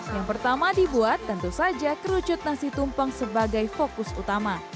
yang pertama dibuat tentu saja kerucut nasi tumpeng sebagai fokus utama